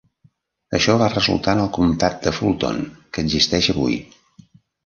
Això va resultar en el comtat de Fulton que existeix avui.